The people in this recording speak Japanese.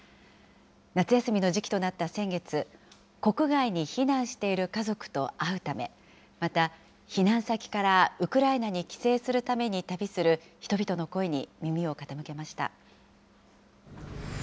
夏休みの時期となった先月、国外に避難している家族と会うため、また、避難先からウクライナに帰省するために旅する人々の声に耳を傾けました。